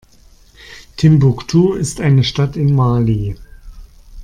Timbuktu ist eine Stadt in Mali.